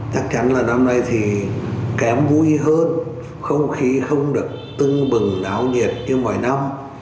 chắc chắn là năm nay thì kém vui hơn không khí không được tưng bừng láo nhiệt như mọi năm